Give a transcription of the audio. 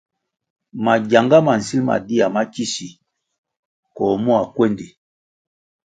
Mangyanga ma nsil ma dia makisi koh mua kwéndi.